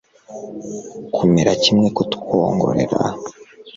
kumera kimwe kutwongorera